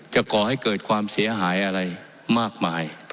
ก่อให้เกิดความเสียหายอะไรมากมาย